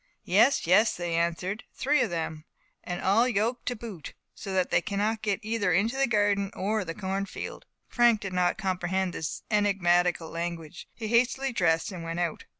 "Yes! yes!" they answered, "three of them; and all yoked to boot, so that they cannot get either into the garden or the cornfield." Frank did not comprehend this enigmatical language; he hastily dressed and went out.